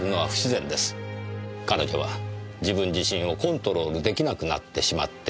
彼女は自分自身をコントロールできなくなってしまっていた。